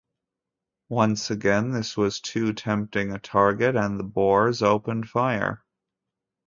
Once again, this was too tempting a target, and the Boers opened fire.